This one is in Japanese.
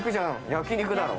焼肉だろ。